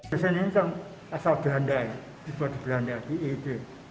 mesin ini asal belanda dibuat di belanda di eed